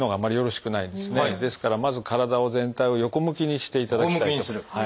ですからまず体を全体を横向きにしていただきたいと。